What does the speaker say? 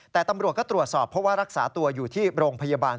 แต่ตำรวจก็ตรวจสอบเพราะว่ารักษาตัวอยู่ที่โรงพยาบาล